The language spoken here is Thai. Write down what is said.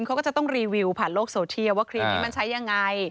เขาก็จะต้องรีวิวผ่านโลกโซเทียลว่าคลิปนี้มันใช้ยังไง